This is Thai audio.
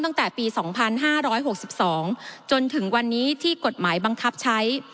ตั้งแต่ปี๒๕๖๒จนถึงวันนี้ที่กฎหมายบังคับใช้